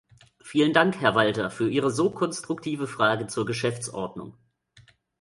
Vielen Dank, Herr Walter, für Ihre so konstruktive Frage zur Geschäftsordnung.